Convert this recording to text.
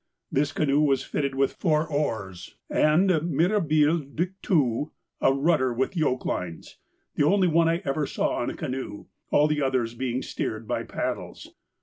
This canoe was fitted with four oars and, mirabile dictu, a rudder with yoke lines, the only one I ever saw on a canoe, all the others being steered by paddles.